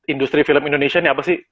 industri film indonesia ini apa sih